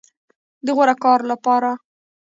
د غوره کار لپاره